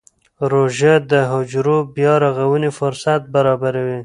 روژه د حجرو بیا رغونې فرصت برابروي.